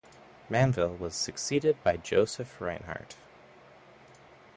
Manvel was succeeded by Joseph Reinhart.